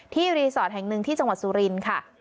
รีสอร์ทแห่งหนึ่งที่จังหวัดสุรินทร์ค่ะ